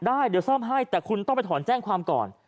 ได้เดี๋ยวซ่อมให้แต่คุณต้องไปถอนแจ้งความก่อน